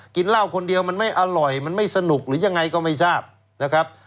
กินเหล้าคนเดียวมันไม่อร่อยมันไม่สนุกหรือยังไงก็ไม่ทราบนะครับ